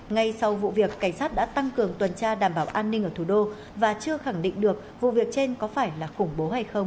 ngay sau vụ việc cảnh sát đã tăng cường tuần tra đảm bảo an ninh ở thủ đô và chưa khẳng định được vụ việc trên có phải là khủng bố hay không